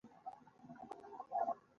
دوی طالباني فعالیت په ټولنه کې روان دی.